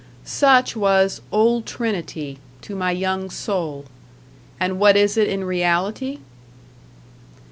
Such was Old Trinity to my young soul; and what is it in reality?